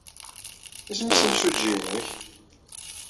Isem-nnes yimsujji-nnek?